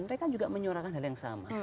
mereka juga menyuarakan hal yang sama